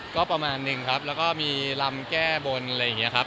ก็ประมาณหนึ่งครับแล้วก็มีลำแก้บนอะไรอย่างนี้ครับ